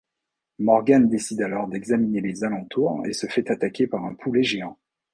Morgan décide alors d’examiner les alentours et se fait attaquer par un poulet géant.